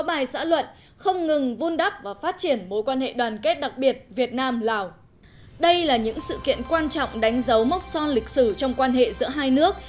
đây là những sự kiện quan trọng đánh dấu mốc son lịch sử trong quan hệ giữa hai nước